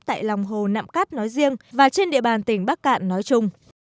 tại lòng hồ nạm cát nói riêng và trên địa bàn tỉnh bắc cạn nói chung